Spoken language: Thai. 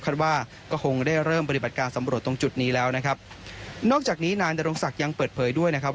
ว่าก็คงได้เริ่มปฏิบัติการสำรวจตรงจุดนี้แล้วนะครับนอกจากนี้นายนรงศักดิ์ยังเปิดเผยด้วยนะครับ